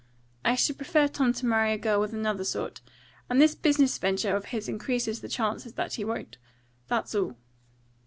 I should prefer Tom to marry a girl with another sort, and this business venture of his increases the chances that he won't. That's all."